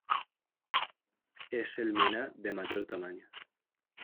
Es el miná de mayor tamaño.